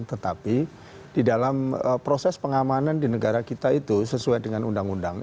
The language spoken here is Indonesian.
tetapi di dalam proses pengamanan di negara kita itu sesuai dengan undang undang